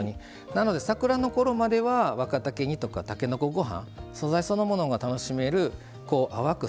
なので桜のころまでは若竹煮とかたけのこごはん素材そのものが楽しめる淡く